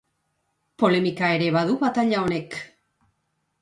Polemika ere badu bataila honek.